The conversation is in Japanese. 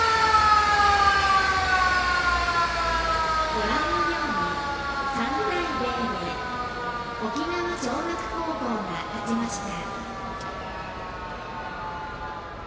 ご覧のように３対０で沖縄尚学高校が勝ちました。